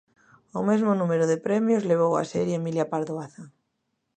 O mesmo número de premios levou a serie Emilia Pardo Bazán.